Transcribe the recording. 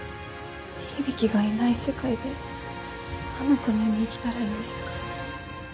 響がいない世界で何のために生きたらいいんですか？